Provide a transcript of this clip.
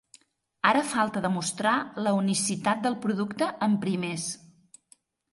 Ara falta demostrar la unicitat del producte en primers.